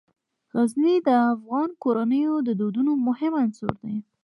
غزني د افغان کورنیو د دودونو مهم عنصر دی.